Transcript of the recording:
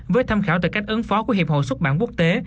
với tham khảo tài cách ấn phó của hiệp hội xuất bản quốc tế